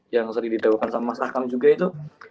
yang sering didoakan sama saqam juga itu